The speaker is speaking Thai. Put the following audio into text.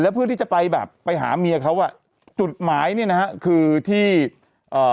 เพื่อที่จะไปแบบไปหาเมียเขาอ่ะจุดหมายเนี้ยนะฮะคือที่เอ่อ